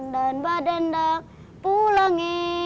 dan badan tak pulang